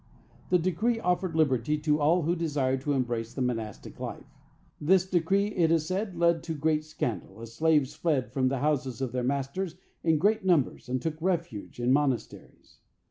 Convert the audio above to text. This decree offered liberty to all who desired to embrace the monastic life. This decree, it is said, led to great scandal, as slaves fled from the houses of their masters in great numbers, and took refuge in monasteries.